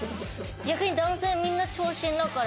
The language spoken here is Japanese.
逆に男性みんな長身だから。